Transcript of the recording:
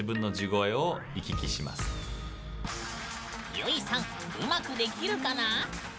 ゆいさんうまくできるかな？